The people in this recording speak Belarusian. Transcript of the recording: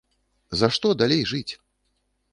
За што далей жыць?